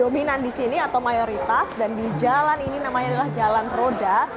dominan di sini atau mayoritas dan di jalan ini namanya adalah jalan roda